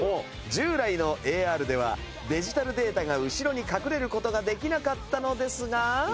従来のＡＲではデジタルデータが後ろに隠れる事ができなかったのですが。